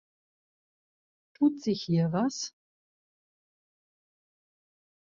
Tut sich hier was?